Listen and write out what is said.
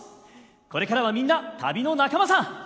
これからはみんな旅の仲間さ！